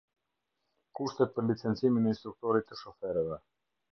Kushtet për licencimin e instruktorit të shoferëve.